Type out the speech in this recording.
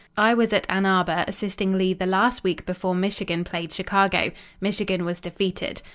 I was at Ann Arbor assisting Lea the last week before Michigan played Chicago. Michigan was defeated.